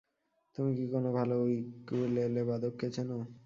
তুমি কি কোনো ভালো ইউকুলেলে বাদককে চেনো?